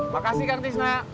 makasih kak isna